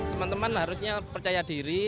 teman teman harusnya percaya diri